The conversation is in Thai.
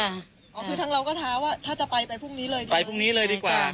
คือทางเราก็ท้าว่าถ้าจะไปไปพรุ่งนี้เลยดีกว่าไปพรุ่งนี้เลยดีกว่า